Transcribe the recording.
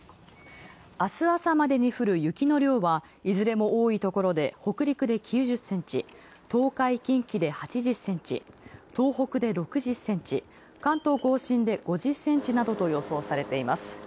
あす朝までにふる雪の量は多いところで、北陸で９０センチ東海・近畿で８０センチ、東北で６０センチ、関東甲信で５０センチなどと予想されています。